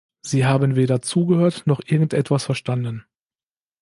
Sie haben weder zugehört noch irgendetwas verstanden.